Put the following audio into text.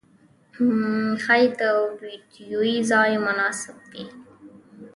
ښايې د ويدېدو ځای مناسب وي.